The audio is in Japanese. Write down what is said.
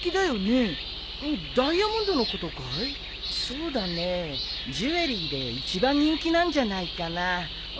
そうだねジュエリーで一番人気なんじゃないかな。